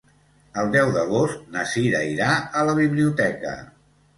El deu d'agost na Sira irà a la biblioteca.